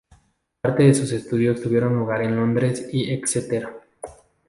Parte de sus estudios tuvieron lugar en Londres y Exeter.